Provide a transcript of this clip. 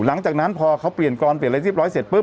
หลังจากนั้นพอเขาเปลี่ยนกรเปลี่ยนอะไรเรียบร้อยเสร็จปุ